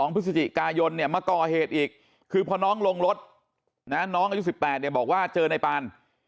พฤศจิกายนเนี่ยมาก่อเหตุอีกคือพอน้องลงรถน้องอายุ๑๘เนี่ยบอกว่าเจอนายปาน